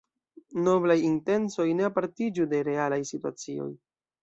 Noblaj intencoj ne apartiĝu de realaj situacioj.